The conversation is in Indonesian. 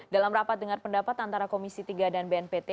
dalam rapat dengar pendapat antara komisi tiga dan bnpt